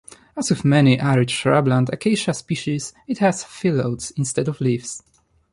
As with many arid shrubland "Acacia" species, it has phyllodes instead of leaves.